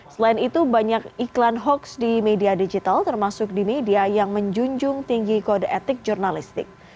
selain itu banyak iklan hoax di media digital termasuk di media yang menjunjung tinggi kode etik jurnalistik